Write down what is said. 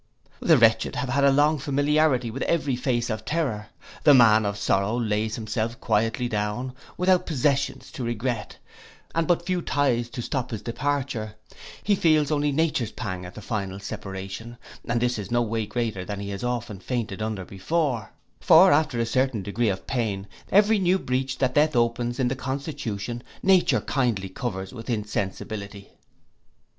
The wretched have had a long familiarity with every face of terror. The man of sorrow lays himself quietly down, without possessions to regret, and but few ties to stop his departure: he feels only nature's pang in the final separation, and this is no way greater than he has often fainted under before; for after a certain degree of pain, every new breach that death opens in the constitution, nature kindly covers with insensibility.